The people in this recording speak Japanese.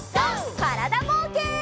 からだぼうけん。